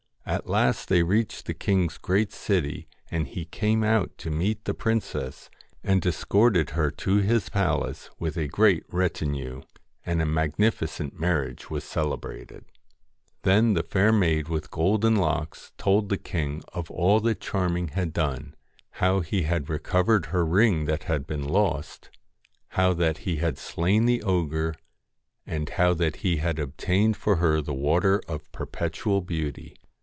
At last they reached the king's great city, and he came out to meet the princess, and escorted her to his palace with a great retinue, and a magnifi cent marriage was celebrated. 180 Then the Fair Maid with Golden Locks told the THE FAIR king of all that Charming had done, how he had M AJ recovered her ring that had been lost, how that he GOLDEN had slain the ogre, and how that he had obtained LOCKS for her the Water of Perpetual Beauty.